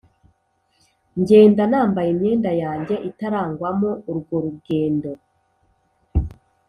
ngenda nambaye imyenda yanjye, itarangwamo urwo rugendo.